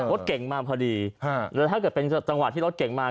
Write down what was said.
รถเก่งมาพอดีแล้วถ้าเกิดเป็นจังหวะที่รถเก่งมา